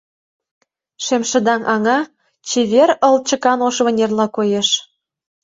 Шемшыдаҥ аҥа чевер ылчыкан ош вынерла коеш.